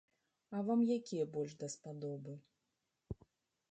А вам якія больш даспадобы?